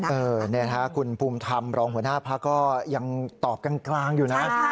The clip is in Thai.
เออนี่นะครับคุณภูมิธรรมรองหัวหน้าพักก็ยังตอบกลางอยู่นะ